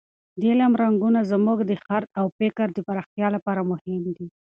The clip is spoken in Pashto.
د علم رنګونه زموږ د خرد او فکر د پراختیا لپاره مهم دي.